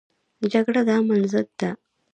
جګړه د امن ضد ده